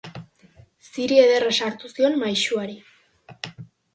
Ziri ederra sartu zion maisuari.